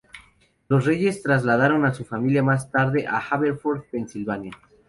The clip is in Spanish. Los Reyes trasladaron a su familia más tarde a Haverford, Pensilvania.